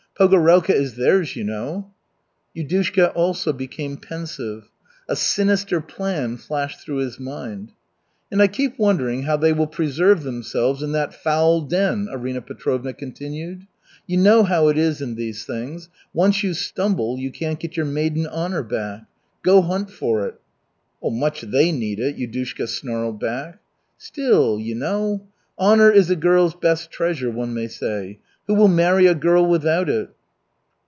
Pogorelka is theirs, you know." Yudushka also became pensive. A sinister plan flashed through his mind. "And I keep wondering how they will preserve themselves in that foul den," Arina Petrovna continued. "You know how it is in these things once you stumble, you can't get your maiden honor back! Go hunt for it!" "Much they need it!" Yudushka snarled back. "Still, you know. Honor is a girl's best treasure, one may say. Who will marry a girl without it?"